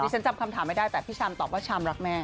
ฉันจำคำถามไม่ได้แต่พี่ชามตอบว่าชามรักแม่